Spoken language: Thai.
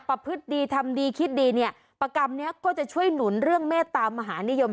พฤติดีทำดีคิดดีเนี่ยประกรรมนี้ก็จะช่วยหนุนเรื่องเมตตามหานิยม